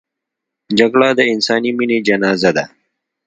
جګړه د انساني مینې جنازه ده